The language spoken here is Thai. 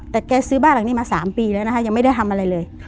แต่แกซื้อบ้านหลังนี้มา๓ปีแล้วนะคะยังไม่ได้ทำอะไรเลย